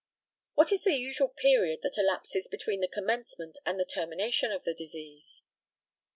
What is the usual period that elapses between the commencement and the termination of the disease?